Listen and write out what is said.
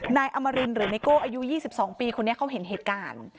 นายอมรินหรือไนโก้อายุ๒๒ปีคนนี้เขาเห็นเหตุการณ์